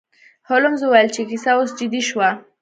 هولمز وویل چې کیسه اوس جدي شوه.